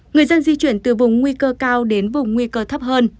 người dân di chuyển từ vùng nguy cơ cao đến vùng nguy cơ thấp hơn